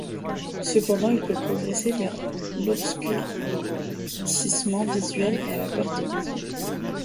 Cependant il peut progresser vers l'obscurcissement visuel et la perte de vision.